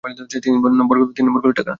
তিন নম্বর গুলিটা খা।